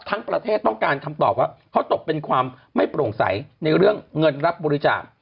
ทั้งประเทศต้องการคำตอบว่าเขาตกเป็นความไม่โปร่งใสในเรื่องเงินรับบริจาค